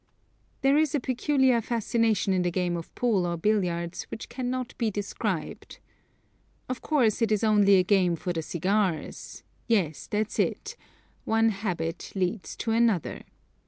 There is a peculiar fascination in the game of pool or billiards which cannot be described. Of course it is only a game for the cigars yes, that's it; one habit leads to another.